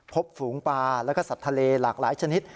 ฝูงปลาแล้วก็สัตว์ทะเลหลากหลายชนิด